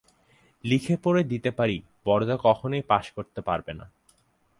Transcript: লিখে পড়ে দিতে পারি, বরদা কখনোই পাস করতে পারবে না।